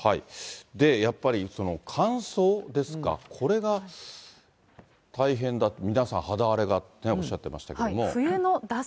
で、やっぱり乾燥ですか、これが大変だと、皆さん、肌荒れがっておっしゃってましたけど。